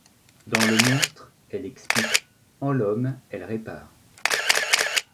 Dans le monstre, elle expie ; en l’homme, elle répare.